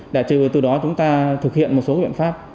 để từ đó chúng ta thực hiện một số biện pháp